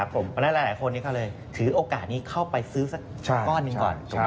ผมแนะนำหลายคนที่เขาเลยถือโอกาสนี้เข้าไปซื้อสักก้อนหนึ่งก่อน